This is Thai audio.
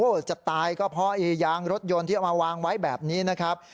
จะตายก็เพราะยางรถยนต์ที่เอามาวางไว้แบบนี้นะครับ